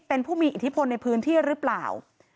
เป็นผู้มีอิทธิพลในพื้นที่หรือเปล่า